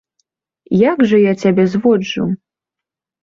Як жа я цябе зводжу?